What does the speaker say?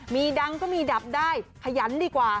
มีดังก็มีดับได้ขยันดีกว่า